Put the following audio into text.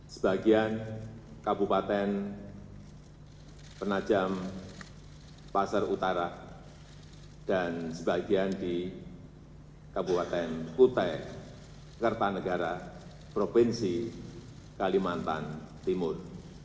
sebagian kabupaten penajam pasar utara dan sebagian di kabupaten kutai kertanegara provinsi kalimantan timur